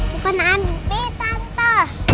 bukan ambil tante